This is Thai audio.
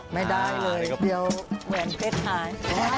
ไม่ได้เลยเดี๋ยวแหวนเพชรหาย